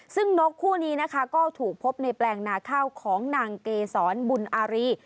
ซึ่งนกคู่นี้นะคะก็ถูกพบในแปลงนาข้าวของนางเกษรบุญอารี